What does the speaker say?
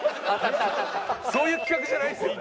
そういう企画じゃないですよね？